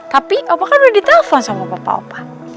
tapi opa kan udah di telpon sama bapak opa